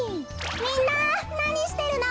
みんななにしてるの？